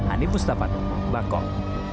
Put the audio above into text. ani mustafa bangkok